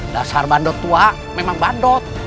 dasar bandot tua memang bandot